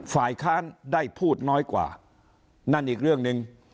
ฝ่ายค้านได้พูดน้อยกว่านั่นอีกเรื่องหนึ่ง